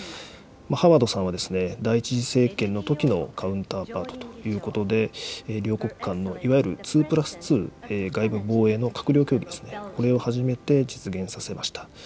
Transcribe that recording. ハワードさんは第１次政権のときのカウンターパートということで、両国間のいわゆる２プラス２、外務・防衛の閣僚協議ですね、これを初めて実現させました。